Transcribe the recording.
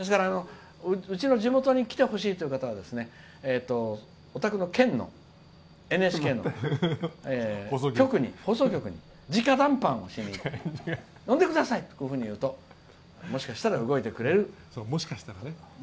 うちの地元にきてほしいという方はお宅の県のＮＨＫの放送局にじか談判しに呼んでくださいというふうに言うともしかしたら動いてくれる。